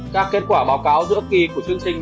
các kết quả báo cáo giữa kỳ của chương trình